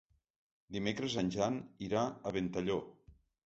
Dimecres en Jan irà a Ventalló.